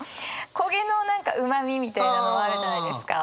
焦げの何かうまみみたいなのあるじゃないですか。